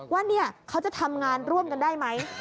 ว่าเขาจะทำงานร่วมกันได้ไหม